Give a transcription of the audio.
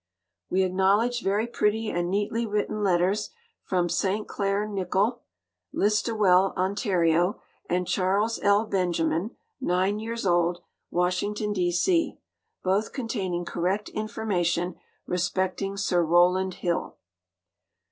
We acknowledge very pretty and neatly written letters from St. Clair Nichol, Listowel, Ontario, and Charles L. Benjamin (nine years old), Washington, D. C., both containing correct information respecting Sir Rowland Hill.